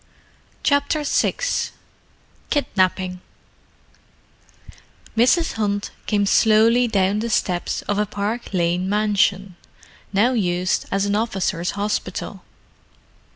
CHAPTER VI KIDNAPPING Mrs. Hunt came slowly down the steps of a Park Lane mansion, now used as an officers' hospital.